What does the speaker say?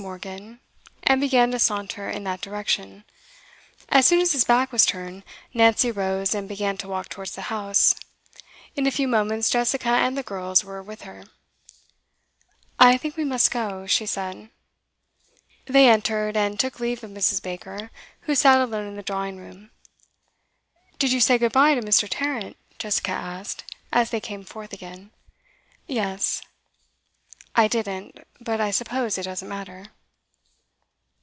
Morgan, and began to saunter in that direction. As soon as his back was turned, Nancy rose and began to walk towards the house. In a few moments Jessica and the girls were with her. 'I think we must go,' she said. They entered, and took leave of Mrs. Baker, who sat alone in the drawing room. 'Did you say good bye to Mr. Tarrant?' Jessica asked, as they came forth again. 'Yes.' 'I didn't. But I suppose it doesn't matter.